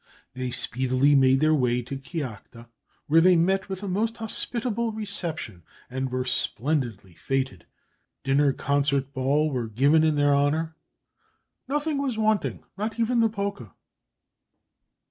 They speedily made their way to Kiakhta, where they met with a most hospitable reception, and were splendidly fêted. Dinner, concert, ball were given in their honour; "nothing was wanting, not even the polka."